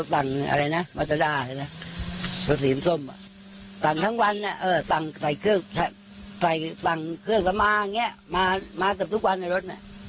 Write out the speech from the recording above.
สั่งมัชด้าสีส้มส้มสั่งทั้งวันสั่งเครื่องสม่ามาทุกวันในรถ